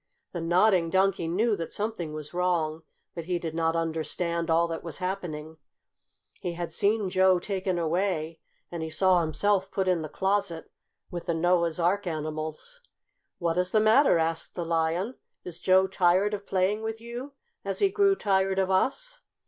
The Nodding Donkey knew that something was wrong, but he did not understand all that was happening. He had seen Joe taken away, and he saw himself put in the closet with the Noah's Ark animals. "What is the matter?" asked the Lion. "Is Joe tired of playing with you, as he grew tired of us?"